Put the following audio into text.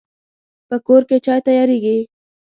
په کور کې چای تیاریږي